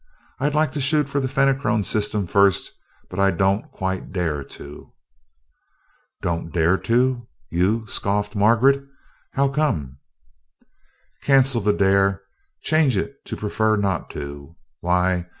I'd like to shoot for the Fenachrone system first, but I don't quite dare to." "Don't dare to? You?" scoffed Margaret. "How come?" "Cancel the 'dare' change it to 'prefer not to.' Why?